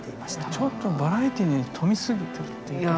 ちょっとバラエティーに富みすぎてる。